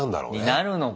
になるのか